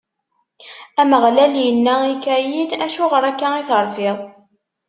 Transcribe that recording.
Ameɣlal inna i Kayin: Acuɣer akka i terfiḍ?